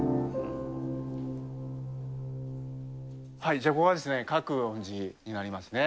じゃあ、ここがですね、覚園寺になりますね。